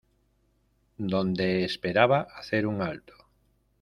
donde esperaba hacer un alto.